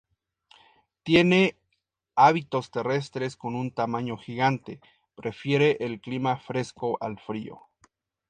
Tiene hábitos terrestres con un tamaño gigante, prefiere el clima fresco al frío.